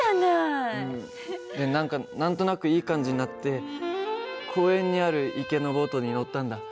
で何か何となくいい感じになって公園にある池のボートに乗ったんだ。